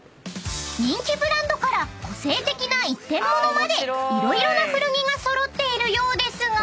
［人気ブランドから個性的な一点物まで色々な古着が揃っているようですが］